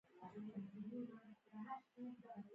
د انسان پښې په ټول عمر کې څلور ځلې د ځمکې شاوخوا قدم وهي.